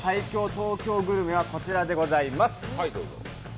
東京グルメはこちらでございます。